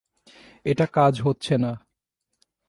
এটা কাজ হচ্ছে না!